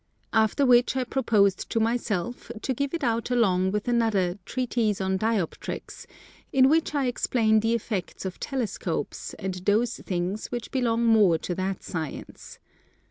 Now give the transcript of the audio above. After which I proposed to myself to give it out along with another Treatise on Dioptrics, in which I explain the effects of Telescopes and those things which belong more to that Science.